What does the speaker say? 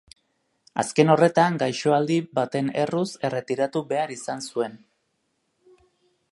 Azken horretan, gaixoaldi baten erruz erretiratu behar izan zuen.